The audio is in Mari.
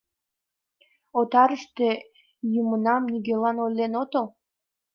Отарыште йӱмынам нигӧланат ойлен отыл?